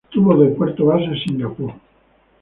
Tuvo de puerto base Singapur.